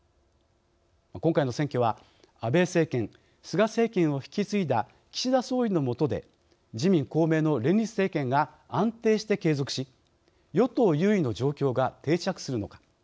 今回の選挙は安倍政権・菅政権を引き継いだ岸田総理のもとで自民・公明の連立政権が安定して継続し与党優位の状況が定着するのか。